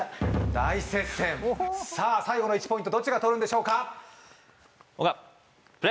大接戦さあ最後の１ポイントどっちがとるんでしょうかオンガードプレ？